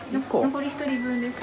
残り１人分です。